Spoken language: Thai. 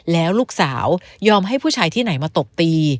แล้วลูกสาวยอมให้ผู้ชายที่ไหนมาตบตี